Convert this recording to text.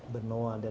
benoa dan pasar ya